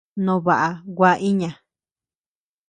No baʼa gua iña.